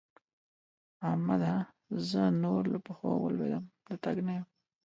احمده! زه نور له پښو ولوېدم - د تګ نه یم.